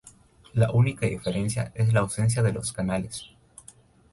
La única diferencia es la ausencia de los canales.